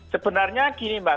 sebenarnya gini mbak